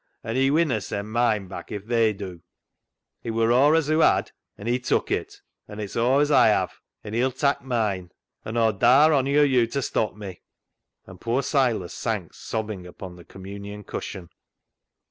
An' He winna send mine back, if they dew. It wur aw as hoo had, and He took it ; an' it's aw as Aw have, an' He'll tak' mine. An' Aw daar ony on yo' ta stop me." And poor Silas sank sobbing upon the communion cushion.